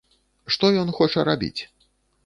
Што ён хоча рабіць?